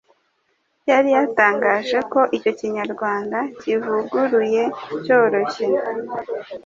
yari yatangaje ko icyo Kinyarwanda kivuguruye cyoroshye